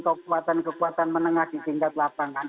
kekuatan kekuatan menengah di tingkat lapangan